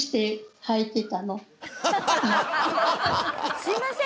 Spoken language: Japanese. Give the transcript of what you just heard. すいません